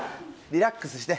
リラックスして。